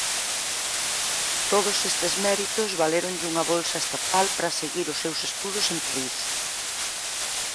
Todos estes méritos valéronlle unha bolsa estatal para seguir os seus estudos en París.